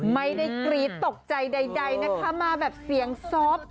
ไม่ได้กรี๊ดตกใจใดนะคะมาแบบเสียงซอฟต์